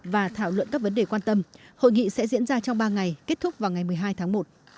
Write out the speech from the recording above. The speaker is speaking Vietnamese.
và thảo luận các vấn đề quan tâm hội nghị sẽ diễn ra trong ba ngày kết thúc vào ngày một mươi hai tháng một